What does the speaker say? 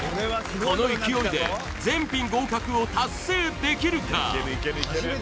この勢いで全品合格を達成できるか？